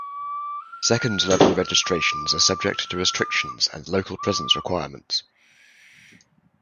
Second-level registrations are subject to restrictions and local presence requirements.